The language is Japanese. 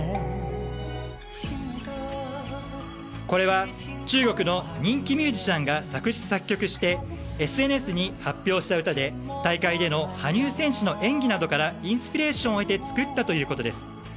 これは中国の人気ミュージシャンが作詞・作曲してＳＮＳに発表した歌で大会での羽生選手の演技などからインスピレーションを得て作ったということです。